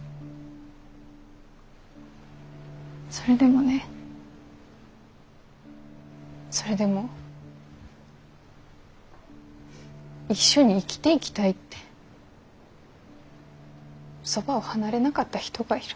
それでもねそれでも一緒に生きていきたいってそばを離れなかった人がいる。